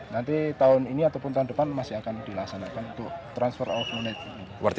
nanti tahun ini ataupun tahun depan masih akan dilaksanakan untuk transfer awal